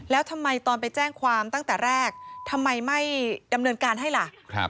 แล้วทำไมตอนไปแจ้งความตั้งแต่แรกทำไมไม่ดำเนินการให้ล่ะ